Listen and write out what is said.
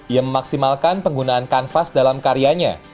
ia memaksimalkan penggunaan kanvas dalam karyanya